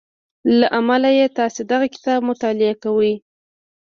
له امله یې تاسې دغه کتاب مطالعه کوئ